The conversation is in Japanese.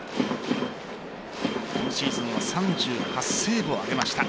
今シーズンは３８セーブを挙げました。